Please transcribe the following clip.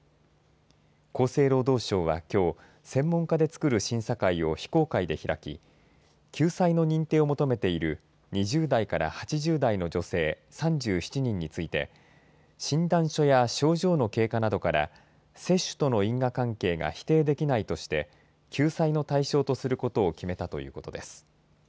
厚生労働省はきょう専門家でつくる審査会を非公開で開き救済の認定を求めている２０代から８０代の女性３７人について診断書や症状の経過などから接種との因果関係が否定できないとして救済の対象とすることを決めたということです。